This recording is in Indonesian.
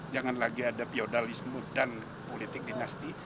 jangan lagi ada pyodalisme dan politik dinasti